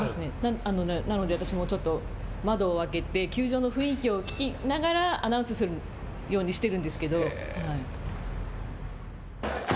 なので私も窓を開けて球場の雰囲気を聞きながらアナウンスするようにしてるんですけど。